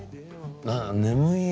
ああ眠いよ。